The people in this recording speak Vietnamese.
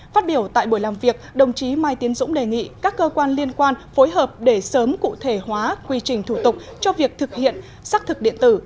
phát biểu tại buổi làm việc đồng chí mai tiến dũng đề nghị các cơ quan liên quan phối hợp để sớm cụ thể hóa quy trình thủ tục cho việc thực hiện xác thực điện tử